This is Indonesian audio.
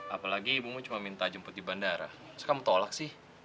apalagi ibumu cuma minta jemput di bandara sekarang tolak sih